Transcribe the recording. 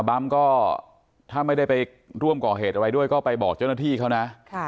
บัมก็ถ้าไม่ได้ไปร่วมก่อเหตุอะไรด้วยก็ไปบอกเจ้าหน้าที่เขานะ